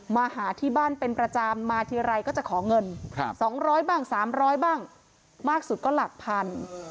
มาหาที่บ้านเป็นประจำมาทีไรก็จะขอเงิน๒๐๐บ้าง๓๐๐บ้างมากสุดก็หลักพัน